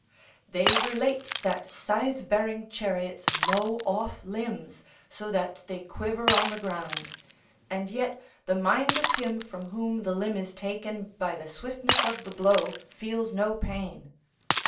["They relate that scythe bearing chariots mow off limbs, so that they quiver on the ground; and yet the mind of him from whom the limb is taken by the swiftness of the blow feels no pain."